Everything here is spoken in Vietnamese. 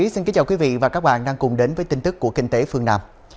xin kính chào quý vị và các bạn đang cùng đến với tin tức của kinh tế phương nam